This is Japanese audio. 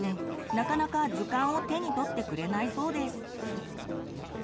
なかなか図鑑を手に取ってくれないそうです。